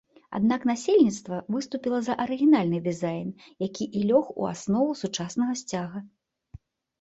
Аднак насельніцтва выступіла за арыгінальны дызайн, які і лёг у аснову сучаснага сцяга.